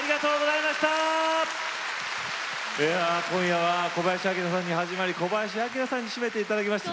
いやぁ今夜は小林旭さんに始まり小林旭さんに締めて頂きました。